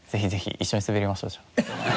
一緒に滑りましょうじゃあ。